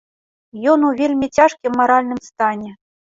Ён у вельмі цяжкім маральным стане.